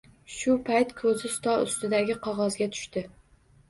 Shu payt koʻzi stol ustidagi qogʻozga tushdi